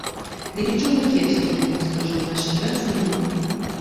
Дый нічога кепскага, я вам скажу, у нашай працы няма.